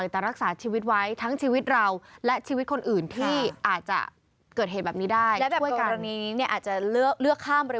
ถ้ามีทางมาลายมีสะพานเราอยู่ใกล้